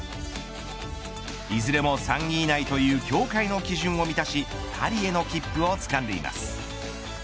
いずれも３位以内という協会の基準を満たしパリへの切符を掴んでいます。